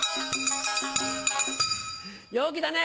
陽気だね！